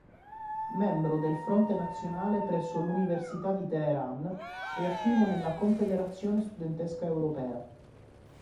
Membro del Fronte Nazionale presso l'Università di Teheran, e attivo nella "Confederazione studentesca europea".